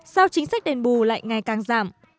sao chính sách đền bù lại ngày càng giảm